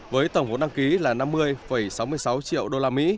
với tổng vốn đăng ký là năm mươi sáu mươi sáu triệu usd